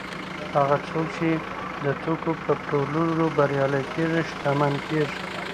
هغه څوک چې د توکو په پلورلو بریالي کېږي شتمن کېږي